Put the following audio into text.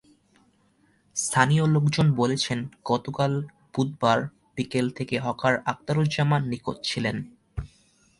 স্থানীয় লোকজন বলছেন, গতকাল বুধবার বিকেল থেকে হকার আক্তারুজ্জামান নিখোঁজ ছিলেন।